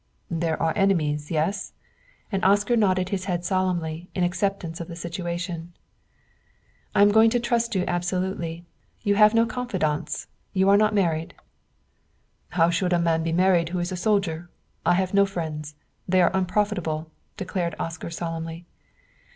"There are enemies yes?" and Oscar nodded his head solemnly in acceptance of the situation. "I am going to trust you absolutely. You have no confidants you are not married?" "How should a man be married who is a soldier? I have no friends; they are unprofitable," declared Oscar solemnly.